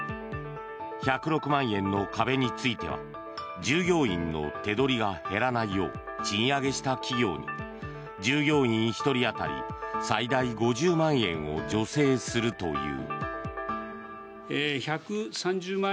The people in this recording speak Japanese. １０６万円の壁については従業員の手取りが減らないよう賃上げした企業に従業員１人当たり最大５０万円を助成するという。